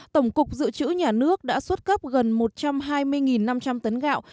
tổng cục dự trữ nhà nước đã xuất cấp gần một trăm hai mươi năm trăm linh tấn gạo